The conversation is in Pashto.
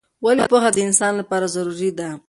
ولې پوهه د انسان لپاره ضروری ده؟